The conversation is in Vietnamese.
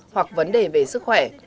hoặc vấn đề về sức khỏe